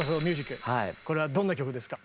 これはどんな曲ですか？